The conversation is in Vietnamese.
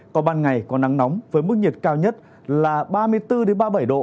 còn ban ngày có nắng nóng với mức nhiệt cao nhất là ba mươi bốn ba mươi bảy độ